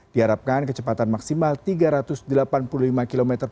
diharapkan kecepatan maksimal tiga ratus delapan puluh lima km